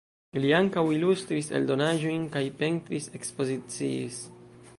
Li ankaŭ ilustris eldonaĵojn kaj pentris-ekspoziciis.